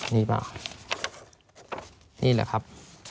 นี่แหละครับ